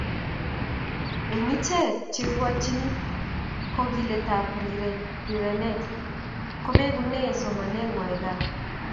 Eng icheget cheibutyin kogelietab rirenet kobekune somanengwai gaa